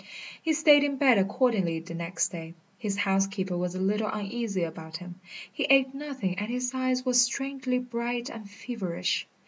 He stayed in bed accordingly the next day. His housekeeper was a little uneasy about him. He ate nothing and his eyes were strangely bright and feverish.